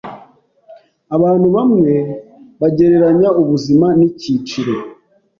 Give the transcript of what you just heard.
Abantu bamwe bagereranya ubuzima nicyiciro.